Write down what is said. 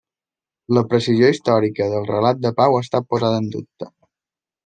La precisió històrica del relat de Pau ha estat posada en dubte.